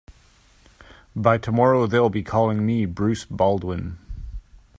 By tomorrow they'll be calling me Bruce Baldwin.